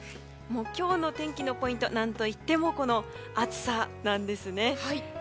今日の天気のポイントは何といっても暑さなんですね。